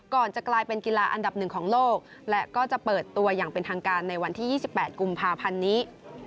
ก่อนจะกลายเป็นกีฬาอันดับหนึ่งของโลกและก็จะเปิดตัวอย่างเป็นทางการในวันที่๒๘กุมภาพันธ์นี้